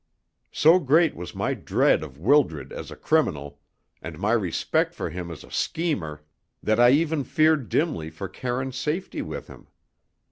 So great was my dread of Wildred as a criminal, and my respect for him as a schemer, that I even feared dimly for Karine's safety with him.